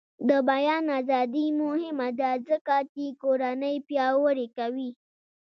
د بیان ازادي مهمه ده ځکه چې کورنۍ پیاوړې کوي.